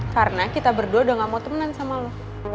karena kita berdua udah gak mau temenan sama lo